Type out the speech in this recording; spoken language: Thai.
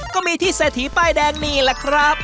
ก็มีที่เซฟภาพแบบแดงนี้แหละครับ